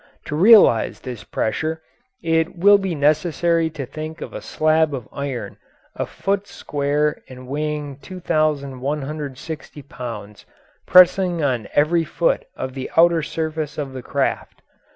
To realise this pressure it will be necessary to think of a slab of iron a foot square and weighing 2,160 pounds pressing on every foot of the outer surface of the craft.